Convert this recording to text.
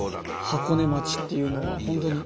箱根町っていうのは本当に。